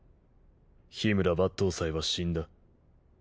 緋村抜刀斎は死んだ。